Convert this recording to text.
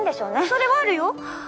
それはあるよ！